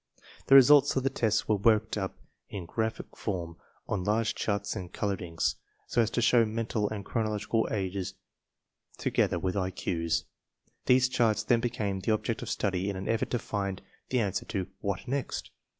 The results of the tests were worked up in graphic form on large charts in colored inks, so as to show mental and chronological ages together with IQ's. These charts then became the object of study in an effort to find the answer to "What next?"